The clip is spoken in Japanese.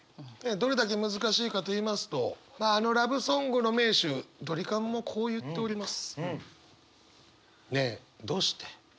どれだけ難しいかと言いますとまああのラブソングの名手ドリカムもこう言っております。